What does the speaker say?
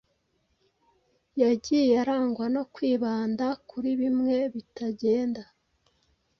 yagiye arangwa no kwibanda kuri bimwe bitagenda